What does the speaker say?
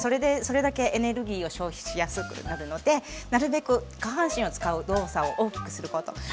それだけエネルギーを消費しやすくなるのでなるべく下半身を使う動作を大きくすること。